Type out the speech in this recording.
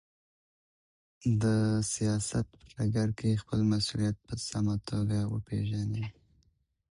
د سياست په ډګر کي خپل مسؤليت په سمه توګه وپېژنئ.